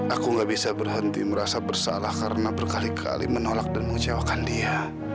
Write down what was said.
aku gak bisa berhenti merasa bersalah karena berkali kali menolak dan mengecewakan dia